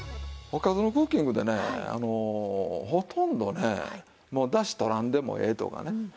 『おかずのクッキング』でねあのほとんどねもうだし取らんでもええとかね